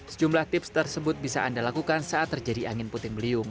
sejumlah tips tersebut bisa anda lakukan saat terjadi angin puting beliung